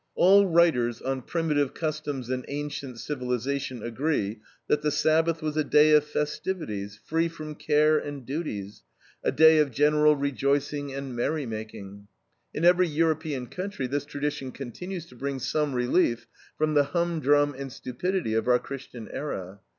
All writers on primitive customs and ancient civilization agree that the Sabbath was a day of festivities, free from care and duties, a day of general rejoicing and merry making. In every European country this tradition continues to bring some relief from the humdrum and stupidity of our Christian era.